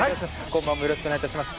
今晩もよろしくお願い致します。